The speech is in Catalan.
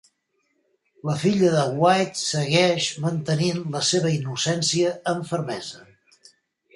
La filla de White segueix mantenint la seva innocència amb fermesa.